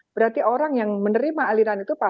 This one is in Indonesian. berarti orang yang menerima aliran itu pak